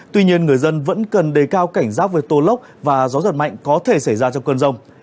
tuy nhiên người dân vẫn cần đề cao cảnh giác về tô lốc và gió giật mạnh có thể xảy ra trong cơn rông